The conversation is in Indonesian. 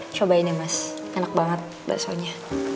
cobain ya mas enak banget bakso nya